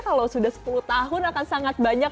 kalau sudah sepuluh tahun akan sangat banyak